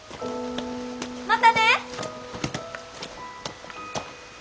またね！